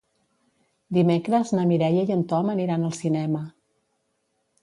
Dimecres na Mireia i en Tom aniran al cinema.